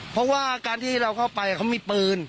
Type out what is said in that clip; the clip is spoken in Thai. เพราะว่าการที่เราเข้าไปเขามีปืน